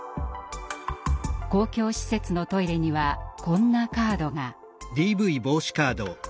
公共施設のトイレにはこんなカードが。